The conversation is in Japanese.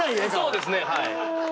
そうですねはい。